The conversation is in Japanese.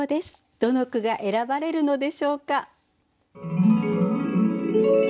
どの句が選ばれるのでしょうか。